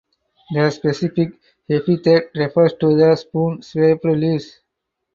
The specific epithet refers to the spoon shaped leaves.